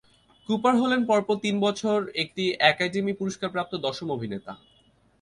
Cooper হলেন পরপর তিন বছর একটি অ্যাকাডেমি পুরস্কার-প্রাপ্ত দশম অভিনেতা।